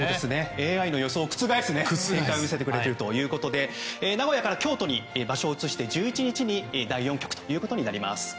ＡＩの予想を覆す展開を見せてくれているということで名古屋から京都に場所を移して１１日に第４局となります。